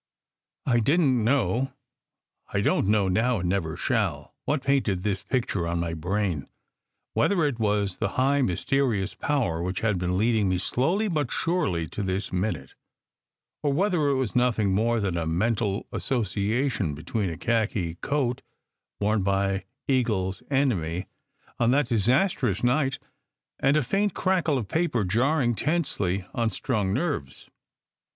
I didn t know (I don t know now, and never shall) what painted this picture on my brain : whether it was the high, mysterious Power which had been leading me slowly but very surely to this minute, or whether it was nothing more than a mental association between a khaki coat worn by Eagle s enemy on that disastrous night and a faint crackle of paper jarring tensely on strung nerves.